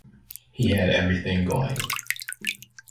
He had everything going.